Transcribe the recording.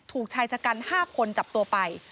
ถูกใช้จากกัน๕คนจับตัวไป